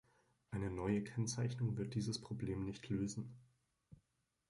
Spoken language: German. Eine neue Kennzeichnung wird dieses Problem nicht lösen.